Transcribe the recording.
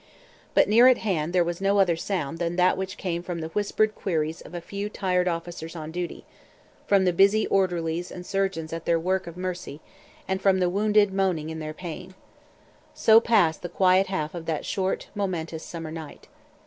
But near at hand there was no other sound than that which came from the whispered queries of a few tired officers on duty; from the busy orderlies and surgeons at their work of mercy; and from the wounded moaning in their pain. So passed the quiet half of that short, momentous, summer night.